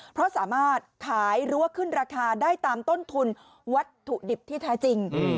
เพราะสามารถขายหรือว่าขึ้นราคาได้ตามต้นทุนวัตถุดิบที่แท้จริง